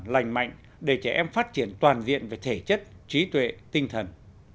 lành mạnh để trẻ em phát triển toàn diện về thể chất trí tuệ tinh thần